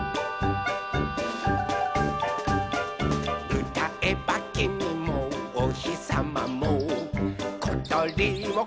「うたえばきみもおひさまもことりもこえをあわせるよ」